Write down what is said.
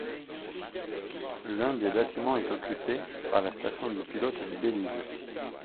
L'un des bâtiments est occupé par la station de pilote du Belize.